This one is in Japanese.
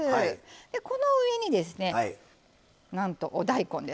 でこの上にですねなんとお大根ですわ。